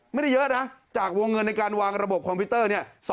ไม่ได้เยอะนะจากวงเงินในการวางระบบคอมพิวเตอร์เนี่ย